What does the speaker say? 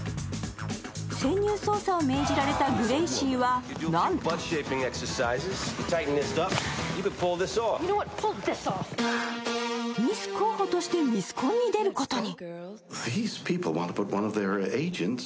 潜入捜査を命じられたグレイシーはなんとミス候補としてミスコンに出ることに。